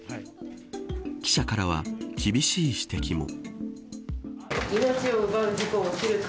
記者からは厳しい指摘も。